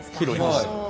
はい。